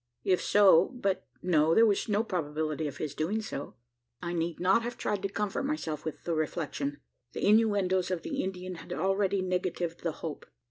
If so but no: there was no probability of his doing so. I need not have tried to comfort myself with the reflection. The innuendoes of the Indian had already negatived the hope.